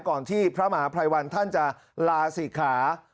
ก่อนที่พระมหาภัยวันท่านจะลาศิษย์ขา